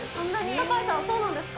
酒井さん、そうなんですか？